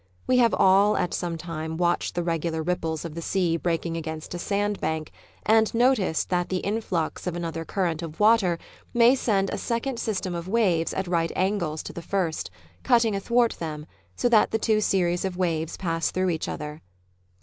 We have all, at some time, watched the regular ripples of the sea breaking against a sand bank, and noticed that the influx of another current of water may send a second system of waves at right angles to the first, cutting athwart them, so that the two series of waves pass through each other.